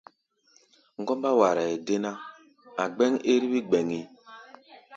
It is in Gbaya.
Ŋgɔ́mbá waraʼɛ dé ná, gbɛ́ŋ ɛ́r-wí gbɛŋí.